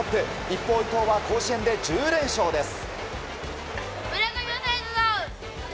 一方、伊藤は甲子園で１０連勝です。